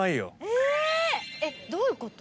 えっどういうこと？